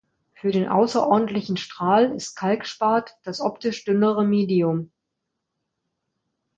Für den außerordentlichen Strahl ist Kalkspat das optisch dünnere Medium.